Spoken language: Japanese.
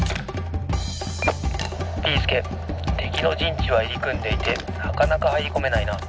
「ビーすけてきのじんちはいりくんでいてなかなかはいりこめないな。